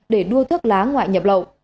để đua thức lá ngoại nhập lậu